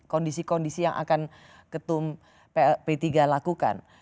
kondisi kondisi yang akan ketum p tiga lakukan